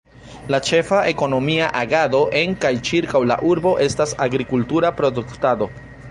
La ĉefa ekonomia agado en kaj ĉirkaŭ la urbo estas agrikultura produktado.